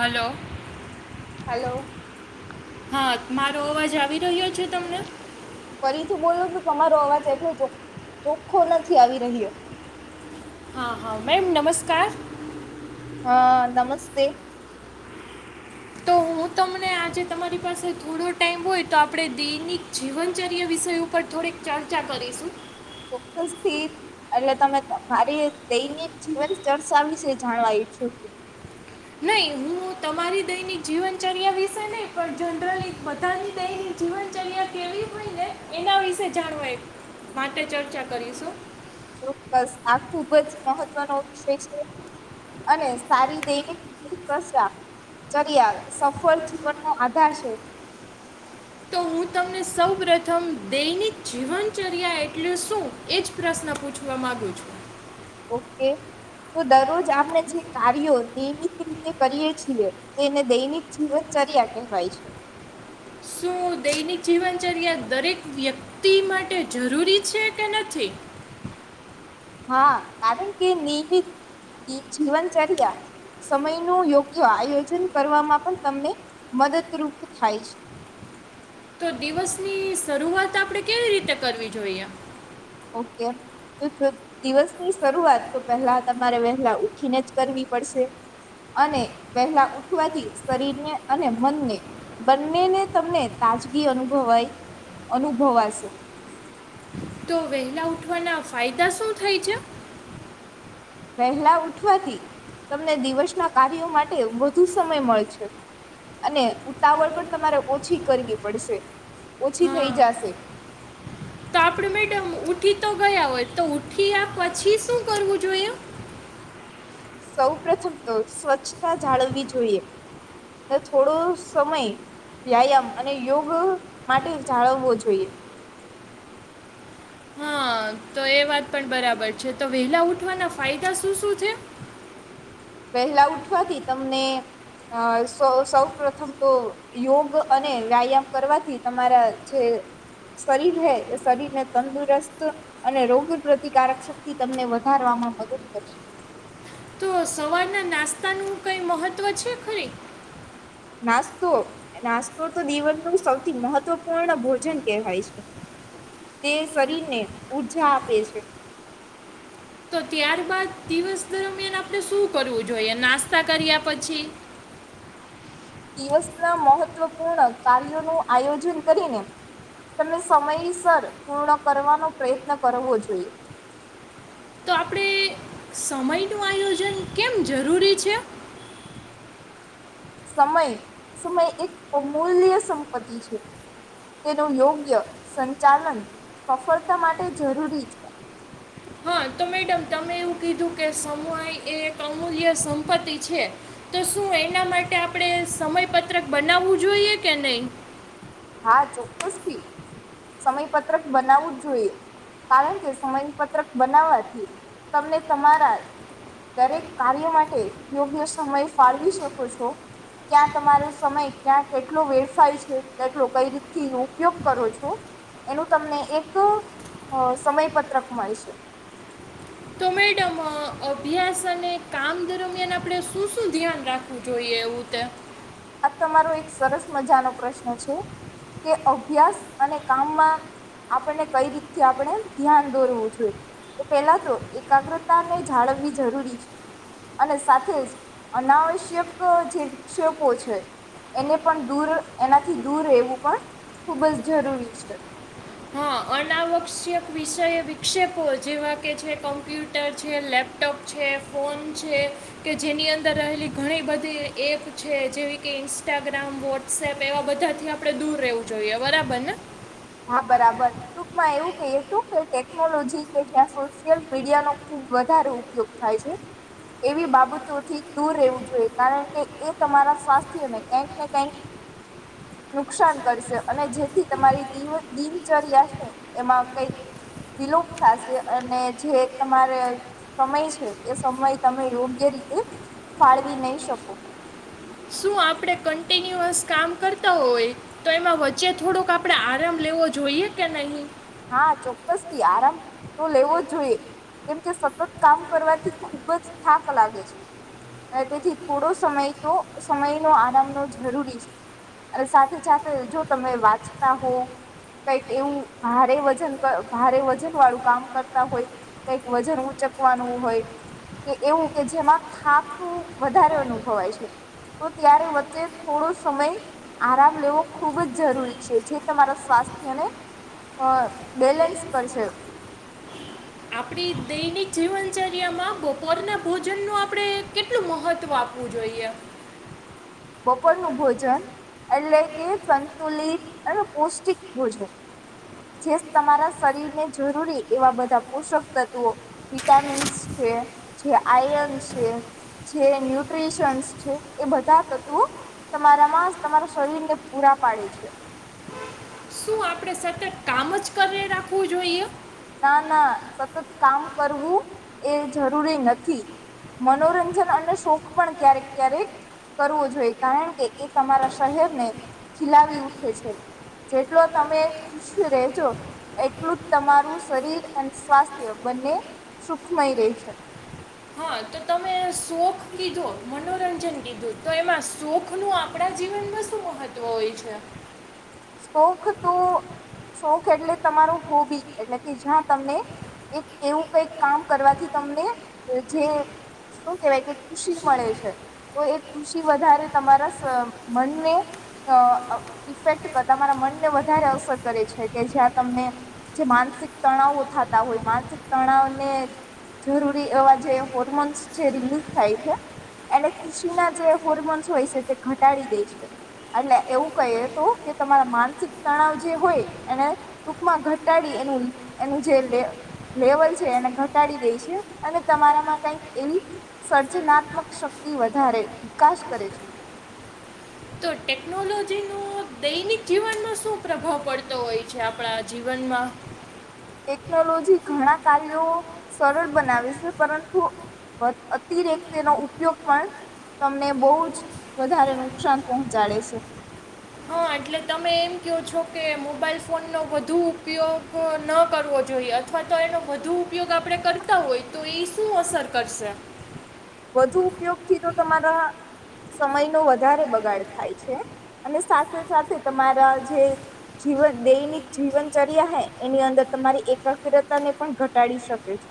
Hello. Hello હા, મારો અવાજ આવી રહ્યો છે? તમન? ફરીથી બોલો છું તમારો અવાજ એટલો ચોખ્ખો નથી આવી રહ્યો. હા હા મેમ નમસ્કાર. હા નમસ્તે. તો હું તમને આજે તમારી પાસે થોડો ટાઈમ હોય તો આપણે દૈનિક જીવનચર્યા વિષય ઉપર થોડીક ચર્ચા કરીશું. ચોક્કસ થી એટલે તમે મારી દૈનિક જીવન ચર્ચા વિશે જાણવા ઈચ્છું છું. નહી હું તમારી દયિક જીવનચર્યા વિશે નહી પણ જનરલી બધાની દયિક જીવનચર્યા કેવી હોય ને એના વિશે જાણવાય માટે ચર્ચા કરીશું. ચોક્કસ આ ખુબ જ મહત્વનો વિષય છે અને સારી દૈનિક સશા ચર્યા સફળ જીવન નો આધાર છે. તો હું તમને સૌ પ્રથમ દૈનિક જીવનચર્યા એટલે શું એ જ પ્રશ્ન પૂછવા માંગુ છું. ઓકે તો દરરોજ આપણે જે કાર્યો નિયમિત રીતે કરીએ છીએ તેને દૈનિક જીવનચર્યા કહેવાય છે. શું દૈનિક જીવનચર્યા દરેક વ્યક્તિ માટે જરૂરી છે કે નથી. હા કારણ કે નિયમિત જીવનચર્યા સમયનું યોગ આયોજન કરવામાં પણ તમને મદદરૂપ થાય છે. તો દિવસની શરૂઆત આપણેે કેવી રીતે કરવી જોઈએ. ઓકે તો જો દિવસ ની શરૂઆત તો પેલા તમારે પેલા ઉઠી ને જ કરવી પડશે. અને વહેલા ઉઠવાથી શરીરને અને મનને બંનેને તમને તાજગી અનુભવાઈ અનુભવાશે. તો વહેલા ઉઠવાના ફાયદા શું થાય છે. વહેલા ઉઠવાથી તમને દિવસ. ના, કાર્યો માટે. વધુ, સમય મળશે. અને. ઉતાવળ પણ, તમારે ઓછી કરવી પડશે ઓછી હા થઈ જશે. તો આપણે મેડમ ઉઠી તો, ગયા હોય તો ઉઠી્યા પછી શું? કરવું, જોઈએ. સૌ પ્રથમ તો સ્વ. સ્વચ્છતા જાળવવી જોઈએ. થોડો, સમય વ્યાયામ અને યોગ. માટે, જાળવવો જોઈએ. હા, તો, એ વાત, પણ બરાબર છે. તો, વેલા ઉઠવાના ફાયદા શું? શું? છે. વહેલા, ઉઠવાથી તમને અ સૌ, પ્રથમ તો યોગ. અને વ્યાયામ કરવાથી તમારા જે. શરીર હે શરીર ને તંદુરસ્ત. અને રોગ પ્રતિકારક શક્તિ તમને વધારવામાં મદદ કરશે. તો સવારના નાસ્તાનુંકઈ મહત્વ છે ખરી. નાસ્તો નાસ્તો તો? તો? જીવનનું સૌથી મહત્વપૂર્ણ ભોજન કહેવાય છે, તે શરીરને ઉઊર્જા આપે છે. તો? ત્યાર બાાદ દિવસ દરમિયાન આપણે શું? કરવું જોઈએ? નાસ્તા કર્યા પછી. પૂર્ણ કાર્યો નું આયોજન કરીને, તમે સમયસર પૂર્ણ, કરવાનો પ્રયત્ન કરવો જોઈએ. તો, આપણેે સમય નું આયોજન કેમ? જરૂરી છે. સમય સમય એક અમૂલ્ય સંપત્તિ છે, તેનું યોગ્ય સંચાલન સફળતા માટે જરૂરી છે. હા, તો મેડમ તમે એવું કીધું કે સમુય એ એક અમૂલ્ય સંપત્તિ છે તો શું? એના માટે આપણે સમયપત્રક બનાવવું જોઈએ? કે નહી.? હા ચોક્કસથી સમયપત્રક બનાવવું જ જોઈએ કારણ કે સમયપત્રક બનાવવાથી તમને તમારા દરેક કાર્ય માટે યોગ્ય સમય ફાળવી શકો છો ક્યાં તમારો સમય ક્યાં કેટલો વેડફાય છે. જેટલો કઈ રીતથી હ ઉપયોગ કરો છો? એનું તમને એક સમય પત્રક મળશે. તો, મેડમ અભ્યાસ અને કામ દરમિયાન આપણે શું? શું? ધ્યાન રાખવું જોઈએ. એવું તે. આ તમારો એક સરસ મજાનો પ્રશ્ન કે, અભ્યાસ અને કામમાં આપણને કઈ રીતથી આપણે ધ્યાન દોરવું જોઈએ, એ પેલા તો એકાગ્રતા ને જાળવવી જરૂરી છે અને સાથે જ અનાવશ્યક જે વિક્ષ. છે? એને પણ દૂર એનાથી દૂર રહેવું પણ ખૂબ જ જરૂરી છે. હા, અનાવશ્યક વિષય વિક્ષેપો જેવા કે છે. કમ્પ્યુટર છે, લેપટોપ છે, ફોન છે, કે જેની અંદર રહેલી ઘણી બધી એપ છે જેવી કે ઇન્સ્ટાગ્રામ વોટ્સએપ એવા બધાથી આપણે દૂર રહેવું જોઈએ? બરાબર ને.? હા બરાબર ટૂંકમાં એવું કે? શું? કે ટેકનોલોજી કે જ્યાં સોશિયલ મીડિયાનોો ખુબ વધારે ઉપયોગ થાય છે. એવી, બાબતો થી દૂર રહેવું જોઈએ. કારણ કે, એ તમારા સ્વાસ્થ્યને કંક ને કંક નુકસાન કરશે અને જેથી તમારી. દ દિનચર્યા છે એમાં કઈક વિલોપત થશે અને જે, તમારે સમય છે એ સમય તમે યોગ્ય રીતે ફાળવી નહી શકો. શું આપણે કન્ટિન્યુઅસ કામ કરતા હોય તો એમાં વચ્ચે થોડોક આપણે આરામ લેવો જોઈએ? કે નહીં. હા, ચોક્કસથી આરામ તો લેવો જ જોઈએ. કેમકે સતત કામ કરવાથી ખુબ જ થાક લાગે છે. અને તેથી થોડો સમય તો સમય નો આરામનોો જરૂરી છે અને સાથે સાથે જો તમે વાંચતા હો કઈક એવું. ભારે વજન ભારે વજન વાળું કામ કરતા હોય કઈક વજન ઉચકવાનું હોય કે એવું કે જેમાં થાકું વધારે અનુભવાય છે. તો ત્યારે વચ્ચે થોડો સમય આરામ લેવો ખૂબ જ જરૂરી છે જે તમારા સ્વાસ્થ્યને. હા બેલેન્સ કરશે. આપણી દૈનિક જીવનચર્યામાં બપોરના ભોજનનું આપણે કેટલું મહત્ત્વ આપવું જોઈએ. બપોરનું ભોજન એટલે કે સંતુલિત અને પૌષ્ટિક ભોજન. જે તમારા શરીરને જરૂરી એવા બધા પોષક તત્વો વિટામિન્સ છે જે આયન છે જે ન્યુટ્રીિશન્સ છે એ બધા તત્વો તમારામાં તમારા શરીરને પૂરા પાડે છે. શું આપણે સતત કામ જ રાખવું જોઈએ. ના ના સતત કામ કરવું એ જરૂરી નથી મનોરંજન અને શોખ પણ ક્યારેક ક્યારેક કરવો જોઈએ કારણ કે એ તમારા શહેરને ખીલાવી ઉઠે છે જેટલો તમે ખુશ રહેજો એટલું જ તમારું. શરીર અને સ્વાસ્થ્ય બંને સુખમય રહે છે. સુખ કીધો મનોરંજન કીધું તો એમાં સુખ નું આપણા જીવનમાં શું મહત્વ હોય છે. શોખ તો શોખ એટલે તમારું હોબી એટલે કે જ્યાં તમને એક એવું કઈક કામ કરવાથી તમને જે શું કેહેવાય કે ખુશી મળે છે તો એ ખુશી વધારે તમારા મનને ઇફેક્ટ. તમારા મનને વધારે અસર કરે છે કે જ્યાં તમને જે માનસિક તણાવો થતા હોય માનસિક તણાવને જરૂરી એવા જે હોર્મોન્સ જે રિલીઝ થાય છે એને ખુશીના જે હોર્મોન્સ હોય છે તે ઘટાડી દે છે એટલે એવું કહીએ તો. કે તમારા માનસિક તણાવ જે હોય એને ટૂંકમાં ઘટાડી એનું એનું જે લેવલ છે એને ઘટાડી દે છે અને તમારામાં કઈક એવી સર્જનાત્મક શક્તિ વધારે વિકાસ કરે છે. તો ટેકનોલોજીનો દૈનિક જીવનમાં શું પ્રભાવ પડતો હોય છે આપણા જીવનમાં. ટેકનોલોજી ઘણા કાર્યો સરળ બનાવે છે પરંતુ અતિરેક તેનો ઉપયોગ પણ તમને બહ જ વધારે નુકસાન પહોંચાડે છે. હા એટલે તમે એમ કહો છો કે મોબાઈલ ફોનનો વધુ ઉપયોગ ન કરવો જોઈએ અથવા તો એનો વધુ ઉપયોગ આપણે કરતા હોય તો એ શું અસર કરશે. વધુ ઉપયોગથી તો તમારા સમય નો વધારે બગાડ થાય છે અને સાથે સાથે તમારા જે જીવન દૈનિક જીવનચર્યા હૈ એની અંદર તમારી એકાગ્રતા ને પણ ઘટાડી શકે છે.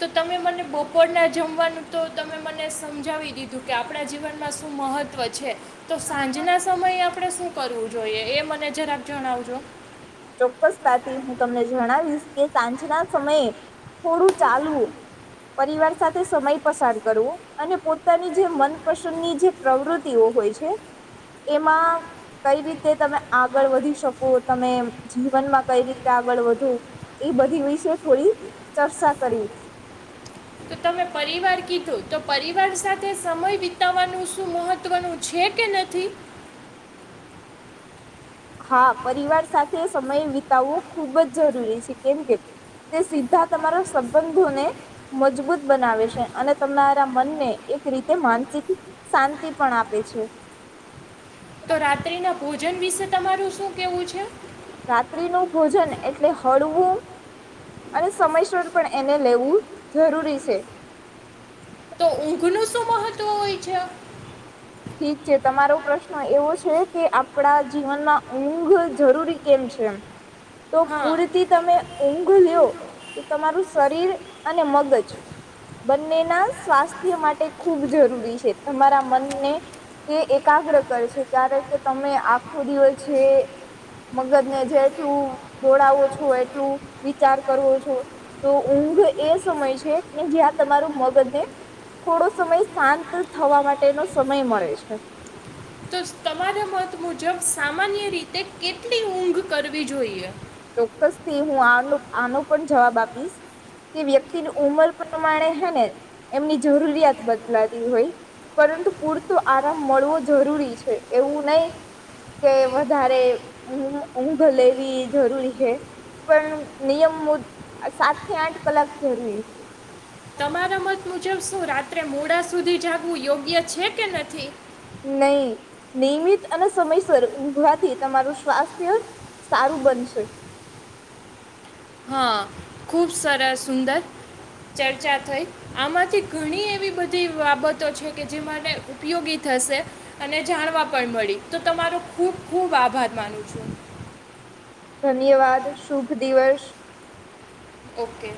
તો તમે મને બપોરના જમવાનું તો તમે મને સમજાવી દીધું કે આપણા જીવનમાં શું મહત્વ છે તો સાંજના સમયે આપણે શું કરવું જોઈએ એ મને જરાબ જણાવજો. તાથી હું તમને જણાવીશ કે સાંજના સમયે થોડું ચાલવું પરિવાર સાથે સમય પસાર કરવો અને પોતાની જે મનપસંદની જે પ્રવૃત્તિઓ હોય છે એમાં કઈ રીતે તમે આગળ વધી શકો તમે. જીવનમાં કઈ રીતે આગળ વધવું એ બધી વિશે થોડી ચર્ચા કરવી. તો તમે પરિવાર કીધો તો પરિવાર સાથે સમય વિતાવવાનું શું મહત્વનું છે કે નથી. હા પરિવાર સાથે સમય વિતાવવો ખૂબ જ જરૂરી છે કેમ કે તે સીધા તમારા સંબંધોને મજબૂત બનાવે છે અને તમારા મનને એક રીતે માનસિક શાંતિ પણ આપે છે. તો રાત્રિ ના ભોજન વિશે તમારું શું કેવું છે. રાત્રિનું ભોજન એટલે હળવું અને સમયસર પણ એને લેવું જરૂરી છે. ઊંઘ નું શું મહત્વ હોય છે. ઠીક છે. તમારો પ્રશ્ન એવો છે કે આપડા જીવનમાં ઊંઘ જરૂરી કેમ છે એમ? તો હા પૂરતી તમે ઊંઘ લ્યો તો તમારું શરીર અને મગજ બંનેના સ્વાસ્થ્ય માટે ખૂબ જરૂરી છે. તમારા મનને તે એકાગ્ર કર છે કારણ કે તમે આખો દિવસ જે મગજને જેટલું દોડાવો છો એટલું વિચાર કરવો છો તો ઊંઘ એ સમય છે કે જ્યાં તમારું મગજને થોડો સમય શાંત થવા માટેનો સમય [unintelligible] મળે છે. તો તમારા મત મુજબ સામાન્ય રીતે કેટલી ઊંઘ કરવી જોઈએ? ચોક્કસ થી હું આનો આનો પણ જવાબ આપીશ, કે વ્યક્તિની ઉમર પ્રમાણે હે ને એમની જરૂરિયાત બદલાતી હોય પરંતુ પૂરતો આરામ મળવો જરૂરી છે. એવું નહી કે વધારે ઊંઘ લેવી જરૂરી છે. પણ નિયમ મુ સાતથી આઠ કલાક જરૂરી છે. તમારા મત મુજબ શું રાત્રે મોડા સુધી જાગવું યોગ્ય છે, કે નથી? નહી, નિયમિત અને સમયસર ઊંઘવાથી તમારું સ્વાસ્થ્ય સારું બનશે. હા ખૂબ સરસ સુંદર ચર્ચા થઈ આમાંથી ઘણી એવી બધી બાબતો છે, કે જે મને ઉપયોગી થશે અને જાણવા પણ મળી તો તમારો ખૂબ ખૂબ આભાર માનું છું. ધન્યવાદ, શુભ દિવસ. ઓકે.